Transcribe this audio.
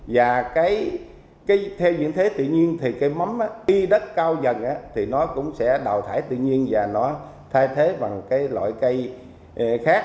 và theo dĩnh thế tự nhiên cây mắm đi đất cao dần cũng sẽ đào thải tự nhiên và thay thế bằng loại cây khác